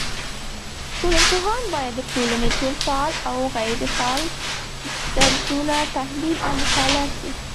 ټولنپوهان بايد د ټولني ټول فعال او غيري فعاله درځونه تحليل او مطالعه کړي